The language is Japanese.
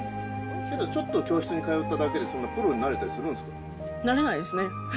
でもちょっと教室に通っただけでそんなプロになれたりするんなれないですね。